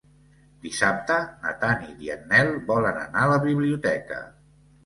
Dissabte na Tanit i en Nel volen anar a la biblioteca.